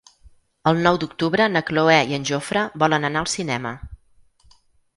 El nou d'octubre na Cloè i en Jofre volen anar al cinema.